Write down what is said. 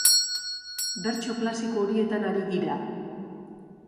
Bertso klasiko horietan ari gira.